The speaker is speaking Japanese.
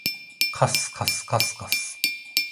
かすかすかすかす